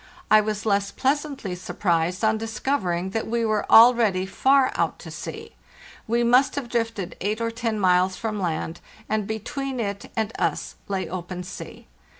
I was less pleasantly surprised on discovering that we were already far out to sea; we must have drifted eight or ten miles from land, and between it and us lay open sea.